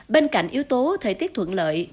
bên cạnh yếu tố thời tiết thuận lợi